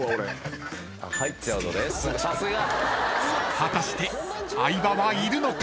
［果たして相葉はいるのか？］